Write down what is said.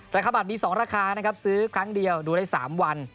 ราคาบัตรมี๒ราคานะครับซื้อครั้งเดียวดูได้๓วัน